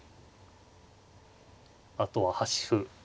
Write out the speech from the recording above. あとは端歩。